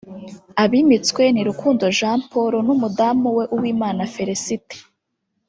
Abimitswe ni Rukundo Jean Paul n’umudamu we Uwimana Félicité